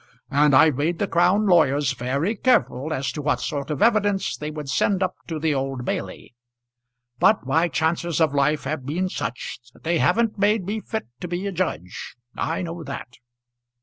And I've made the Crown lawyers very careful as to what sort of evidence they would send up to the Old Bailey. But my chances of life have been such that they haven't made me fit to be a judge. I know that."